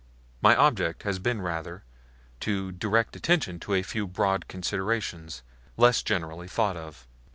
My object has been rather to direct attention to a few broad considerations, less generally thought of.